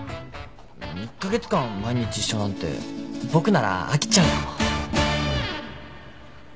１カ月間毎日一緒なんて僕なら飽きちゃうかも。